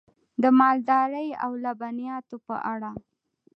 د مالدارۍ او لبنیاتو په اړه: